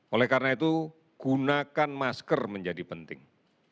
oleh karena itu gunakan masker menjadi penting